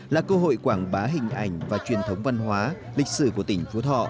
là cơ hội quảng bá hình ảnh và truyền thống văn hóa lịch sử của tỉnh phú thọ